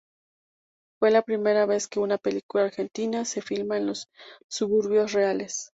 Fue la primera vez que una película argentina se filmaba en los suburbios reales.